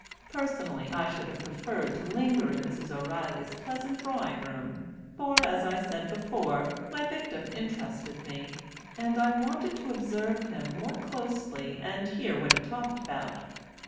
Personally I should have preferred to linger in Mrs. O'Reilly's pleasant drawing room, for, as I said before, my victim interested me, and I wanted to observe him more closely and hear what he talked about.